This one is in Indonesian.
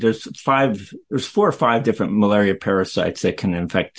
ada empat atau lima parasit malaria yang bisa diinfeksi